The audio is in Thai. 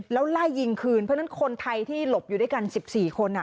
แล้วไล่ยิงคืนเพราะฉะนั้นคนไทยที่หลบอยู่ด้วยกัน๑๔คน